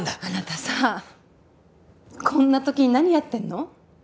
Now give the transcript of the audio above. あなたさこんな時に何やってんの？